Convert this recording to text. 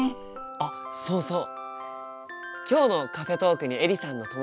あっそうそう。